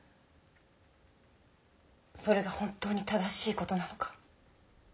それが本当に正しいことなのか？